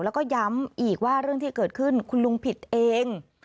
แล้วก็ย้ำอีกว่าเรื่องที่เกิดขึ้นคุณลุงผิดเอง